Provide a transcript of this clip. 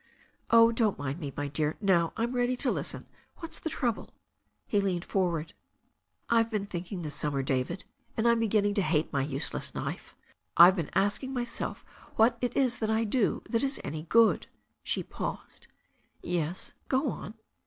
"Oh, don't mind me, my dear. Now I'm ready to listen. What's the trouble?" He leaned forward. "I've been thinking this stmimer, David. And I'm begin ning to hate my useless life. I've been asking myself what I do that is any good." She paused. "Yes? Go on."